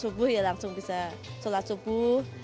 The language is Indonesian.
subuh ya langsung bisa sholat subuh